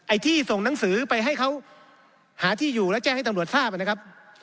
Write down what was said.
ที่ส่งหนังสือไปให้เขาหาที่อยู่แล้วแจ้งให้ตำรวจทราบนะครับ